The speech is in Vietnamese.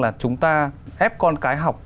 là chúng ta ép con cái học